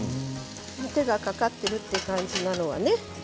手がかかっているという感じなのはね。